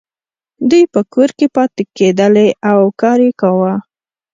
دوی په کور کې پاتې کیدلې او کار یې کاوه.